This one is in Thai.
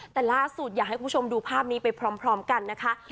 แต่ล่าสุดอยากให้คุณผู้ชมดูภาพนี้ไปพร้อมกันนะคะ